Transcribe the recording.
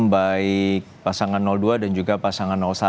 baik pasangan dua dan juga pasangan satu